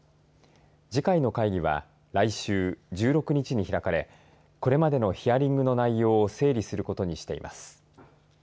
次回の会議は来週１６日に開かれこれまでのヒアリングの内容を整理することにしています。